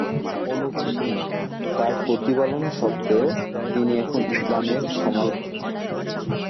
তার প্রতিপালন সত্ত্বেও, তিনি এখন ইসলামের সমালোচক।